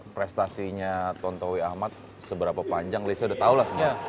prestasinya tontowi ahmad seberapa panjang lessa udah tau lah sebenarnya